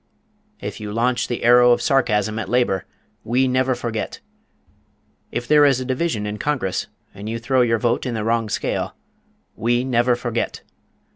_ If you launch the arrow of sarcasm at labor, WE NEVER FORGET! If there is a division in Congress, and you throw your vote in the wrong scale, _WE NEVER FORGET!